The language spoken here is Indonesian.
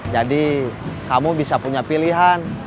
jadi kamu bisa punya pilihan